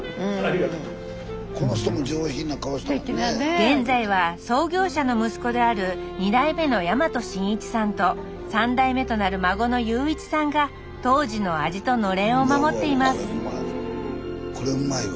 現在は創業者の息子である２代目の大和信一さんと３代目となる孫の裕一さんが当時の味とのれんを守っていますうわうわ